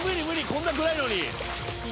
こんな暗いのに！